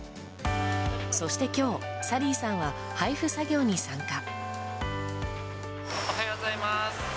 そして今日、サリーさんは配布作業に参加。